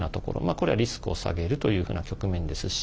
これは、リスクを下げるというふうな局面ですし。